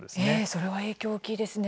それは影響大きいですね。